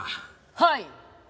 はい。